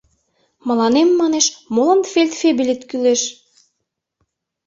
Мыланем, манеш, молан фельдфебелет кӱлеш?